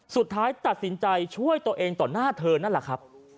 สุดท้ายตัดสินใจช่วยตัวเองต่อหน้าเธอนั่นแหละครับ